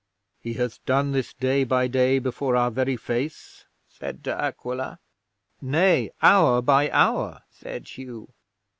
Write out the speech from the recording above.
'"He hath done this day by day before our very face?" said De Aquila. '"Nay, hour by hour," said Hugh.